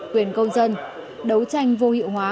quyền công dân đấu tranh vô hiệu hóa